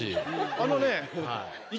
あのね。